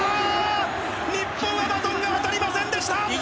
日本、バトンが渡りませんでした！